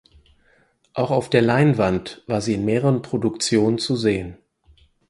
Auch auf der Leinwand war sie in mehreren Produktionen zu sehen.